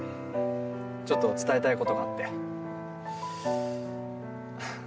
ちょっと伝えたいことがあって。